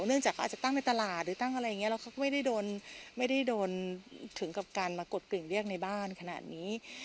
เรื่องจากเขาอาจจะตั้งในตลาดหรือตั้งอะไรอย่างนี้แล้วเขาก็ไม่ได้โดนถึงกับการมากดกริ่งเรียกในบ้านขนาดนี้